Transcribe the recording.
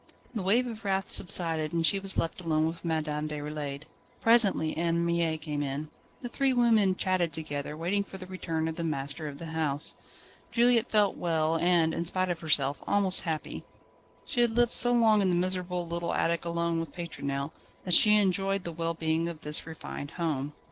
The wave of wrath subsided, and she was left alone with Madame Déroulède: presently Anne Mie came in. The three women chatted together, waiting for the return of the master of the house. Juliette felt well and, in spite of herself, almost happy. She had lived so long in the miserable, little attic alone with Pétronelle that she enjoyed the well being of this refined home.